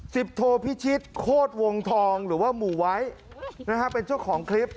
โทพิชิตโคตรวงทองหรือว่าหมู่ไว้นะฮะเป็นเจ้าของคลิป